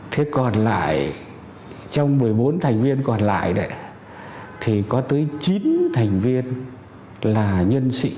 thế còn lại trong một mươi bốn thành viên còn lại đấy thì có tới chín thành viên là nhân sĩ